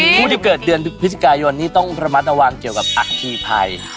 ผู้ที่เกิดเดือนพฤศจิกายนนี้ต้องระมัดระวังเกี่ยวกับอัคคีภัย